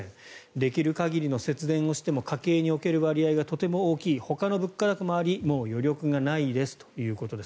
できる限りの節電をしても家計における割合がとても大きいほかの物価高もありもう余力もないということです。